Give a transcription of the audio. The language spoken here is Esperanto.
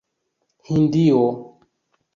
Hindio